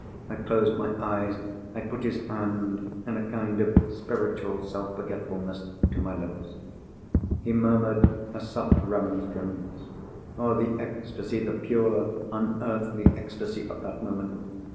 I closed my eyes; I put his hand, in a kind of spiritual self forgetfulness, to my lips. He murmured a soft remonstrance. Oh the ecstasy, the pure, unearthly ecstasy of that moment!